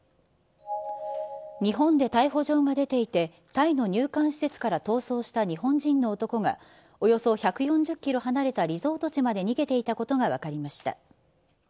日本で逮捕状が出ていて、タイの入管施設から逃走した日本人の男が、およそ１４０キロ離れたリゾート地まで逃げていたことが分かりました。